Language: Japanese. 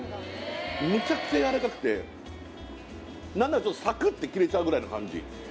めちゃくちゃやわらかくて何ならサクッて切れちゃうぐらいの感じ